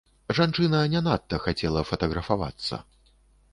Жанчына не надта хацела фатаграфавацца.